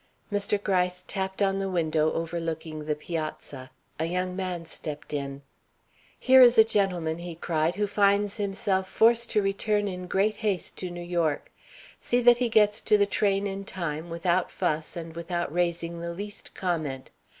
Mr. Gryce tapped on the window overlooking the piazza. A young man stepped in. "Here is a gentleman," he cried, "who finds himself forced to return in great haste to New York. See that he gets to the train in time, without fuss and without raising the least comment.